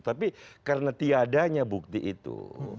tapi karena tiadanya bukti itu